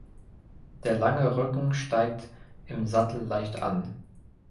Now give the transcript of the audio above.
Der lange Rücken steigt im Sattel leicht an.